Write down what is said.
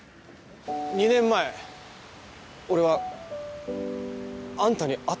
２年前俺はあんたに会ってたんだな。